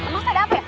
mas ada apa ya